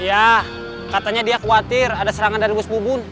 iya katanya dia khawatir ada serangan dari bos bubut